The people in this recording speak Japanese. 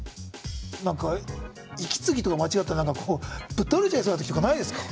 なんか息継ぎとか間違ったらぶっ倒れちゃいそうな時とかないですか？